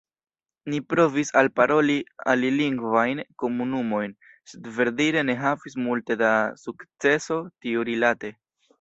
Ni provis alparoli alilingvajn komunumojn, sed verdire ne havis multe da sukceso tiurilate.